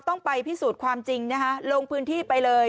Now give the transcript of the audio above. ต้องไปพิสูจน์ความจริงนะคะลงพื้นที่ไปเลย